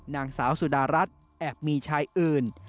นางสาวสุดารัฐแอบมีชายอื่น